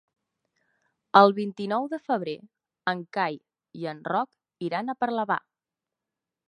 El vint-i-nou de febrer en Cai i en Roc iran a Parlavà.